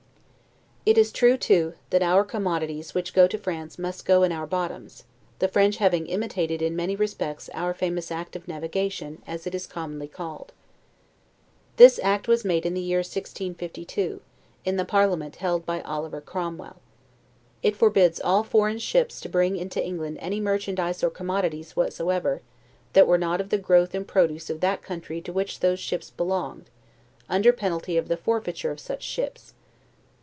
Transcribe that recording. It is true, too, that our commodities which go to France, must go in our bottoms; the French having imitated in many respects our famous Act of Navigation, as it is commonly called. This act was made in the year 1652, in the parliament held by Oliver Cromwell. It forbids all foreign ships to bring into England any merchandise or commodities whatsoever, that were not of the growth and produce of that country to which those ships belonged, under penalty of the forfeiture of such ships.